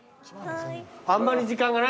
あんまり時間がないんだよ。